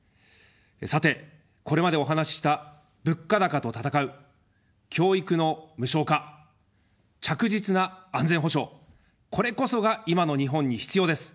さて、これまでお話しした、物価高と戦う、教育の無償化、着実な安全保障、これこそが今の日本に必要です。